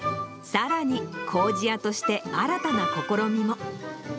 さらに、こうじ屋として新たな試みも。